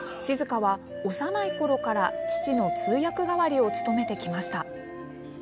静は幼いころから父の通訳代わりを務めてきました。